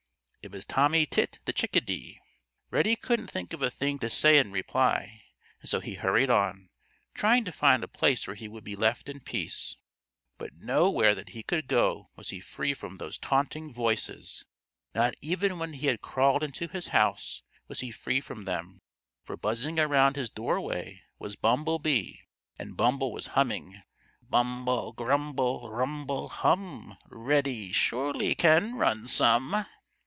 It was Tommy Tit the Chickadee. Reddy couldn't think of a thing to say in reply, and so he hurried on, trying to find a place where he would be left in peace. But nowhere that he could go was he free from those taunting voices. Not even when he had crawled into his house was he free from them, for buzzing around his doorway was Bumble Bee and Bumble was humming: "Bumble, grumble, rumble, hum! Reddy surely can run some."